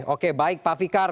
oke baik pak fikar